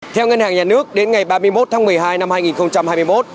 theo ngân hàng nhà nước đến ngày ba mươi một tháng một mươi hai năm hai nghìn hai mươi một